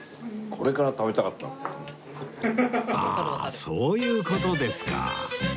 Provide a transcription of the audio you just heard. ああそういう事ですか